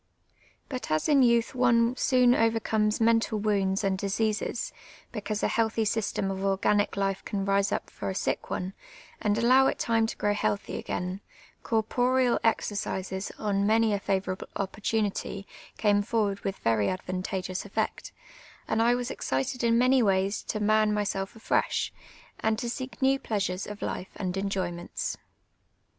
But as in youtli one soon overcomes mental wounds and diseases, because a healthy system of orjj^anic life can rise up for a sick one, and allow it time to jj^row healthy again, cor poreal exercises, on many a favourable oj)portunity, came for ward with ver}' advantageous cHeet ; and I was excited in many ways to man myself afresh, and to seek new pleasures of life and enjo>inents.